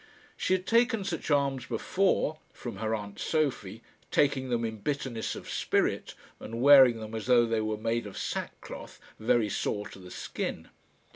She had taken such alms before from her aunt Sophie taking them in bitterness of spirit, and wearing them as though they were made of sackcloth, very sore to the skin.